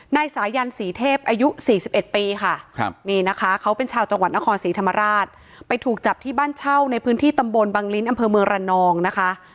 นายสายันศรีเทพอายุ๔๑ปีค่ะนี่นะคะเขาเป็นชาวจังหวัดนครศรีธรรมราชไปถูกจับที่บ้านเช่าในพื้นที่ตำบลบังลิ้นอำเภอเมืองระนองนะคะ